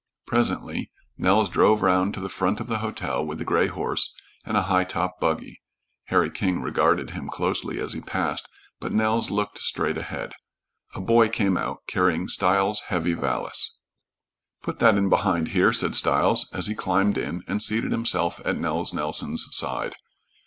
Presently Nels drove round to the front of the hotel with the gray horse and a high top buggy. Harry King regarded him closely as he passed, but Nels looked straight ahead. A boy came out carrying Stiles' heavy valise. "Put that in behind here," said Stiles, as he climbed in and seated himself at Nels Nelson's side.